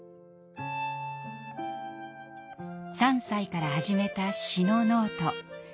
３歳から始めた詩のノート。